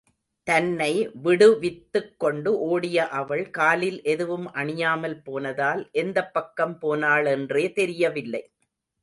தன்னை விடுவித்துக் கொண்டு ஓடிய அவள், காலில் எதுவும் அணியாமல் போனதால் எந்தப் பக்கம் போனாளென்றே தெரியவில்லை.